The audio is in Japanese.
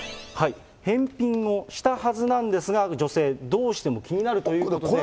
返品をしたはずなんですが、女性、どうしても気になるということで。